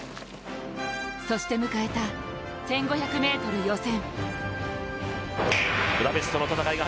そして迎えた１５００ｍ予選。